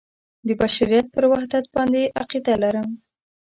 د بشریت پر وحدت باندې عقیده لرم.